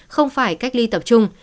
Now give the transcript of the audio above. không phải cách ly tập trung